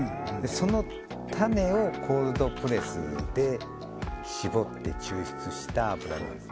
その種をコールドプレスで搾って抽出した油なんです